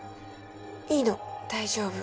いいの大丈夫。